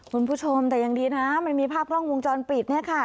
คุณผู้ชมแต่ยังดีนะมันมีภาพกล้องวงจรปิดเนี่ยค่ะ